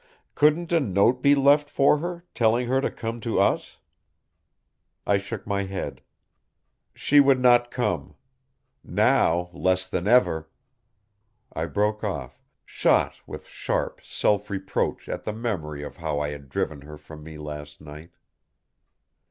Couldn't a note be left for her, telling her to come to us?" I shook my head. "She would not come. Now, less than ever " I broke off, shot with sharp self reproach at the memory of how I had driven her from me last night.